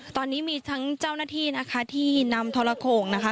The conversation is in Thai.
ตอนนี้มีทั้งเจ้าหน้าที่นะคะที่นำทรโขงนะคะ